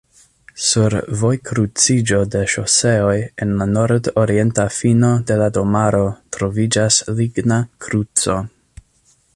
Sur vojkruciĝo de ŝoseoj en la nordorienta fino de la domaro troviĝas ligna kruco.